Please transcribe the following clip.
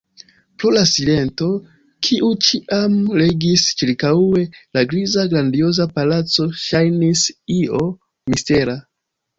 Pro la silento, kiu ĉiam regis ĉirkaŭe, la griza, grandioza palaco ŝajnis io mistera.